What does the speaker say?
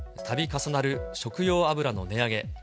たび重なる食用油の値上げ。